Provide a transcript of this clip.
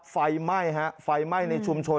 ไฟไหม้ฮะไฟไหม้ในชุมชน